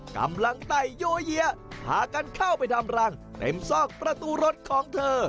ไต่โยเยียพากันเข้าไปทำรังเต็มซอกประตูรถของเธอ